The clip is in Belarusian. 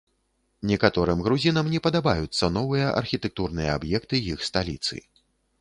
Некаторым грузінам не падабаюцца новыя архітэктурныя аб'екты іх сталіцы.